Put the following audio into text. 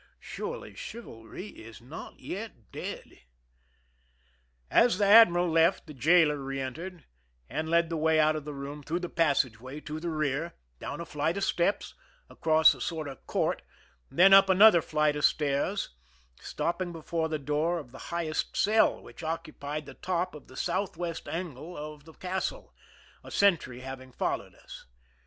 Surely chivalry is not yet dead." As the admiral left, the jailer reentered, and led the way out of the room through the passageway to the rear, down a flight of steps, across a sort of court, then up another flight of stairs, stopping before the door of the highest cell, which occupied the top of the southwest angle of the castle, a sentry having followed us.